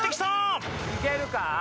いけるか？